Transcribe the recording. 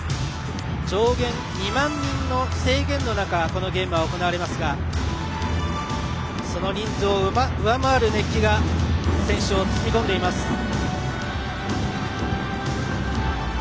上限２万人の制限の中このゲームは行われますがその人数を上回る熱気が選手を包み込んでいます。